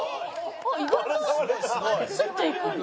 意外とスッといくんだ。